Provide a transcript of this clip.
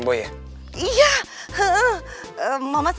gak ada gak ada